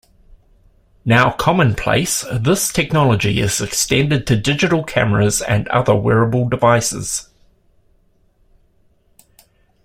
Now commonplace, this technology is extended to digital cameras and other wearable devices.